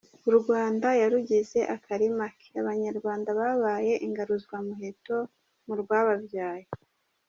U Rwanda yarugize akarima ke, abanyarwanda babaye ingaruzwamuheto mu rwababyaye.